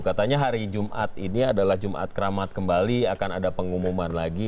katanya hari jumat ini adalah jumat keramat kembali akan ada pengumuman lagi